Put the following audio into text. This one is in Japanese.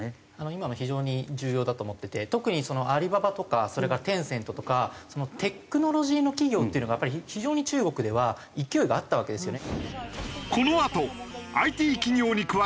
今の非常に重要だと思ってて特にアリババとかそれからテンセントとかテクノロジーの企業っていうのがやっぱり非常に中国では勢いがあったわけですよね。